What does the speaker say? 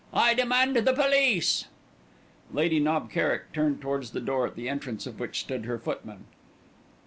I demand the police!!!!!" Lady Knob Kerrick turned towards the door at the entrance of which stood her footman.